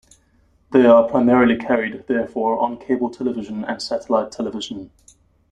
They are primarily carried, therefore, on cable television and satellite television.